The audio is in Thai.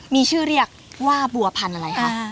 มีชื่อเรียกว่าบัวพันธุ์อะไรคะ